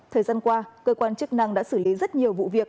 thời gian qua cơ quan chức năng đã xử lý rất nhiều vụ việc